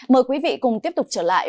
mời quý vị cùng tiếp tục trở lại